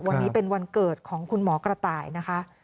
วันนี้เป็นวันเกิดของคุณหมอกระต่ายนะคะ